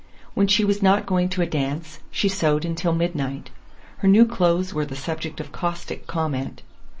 When she was not going to a dance, she sewed until midnight. Her new clothes were the subject of caustic comment.